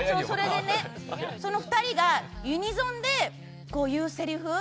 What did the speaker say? その２人がユニゾンでいうせりふ。